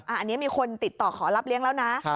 อันนี้มีคนติดต่อขอรับเลี้ยงแล้วนะ